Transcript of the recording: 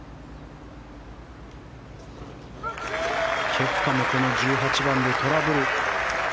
ケプカもこの１８番でトラブル。